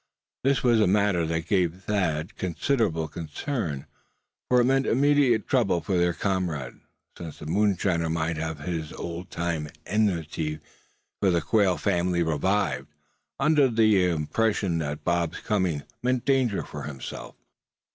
This was a matter that gave Thad considerable concern, for it meant immediate trouble for their comrade; since the moonshiner might have his old time enmity for the Quail family revived, under the impression that Bob's coming meant danger for himself.